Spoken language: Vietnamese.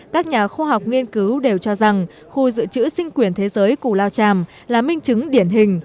các nhà khoa học nghiên cứu đều cho rằng khu dự trữ sinh quyền thế giới cù lao chàm là minh chứng điển hình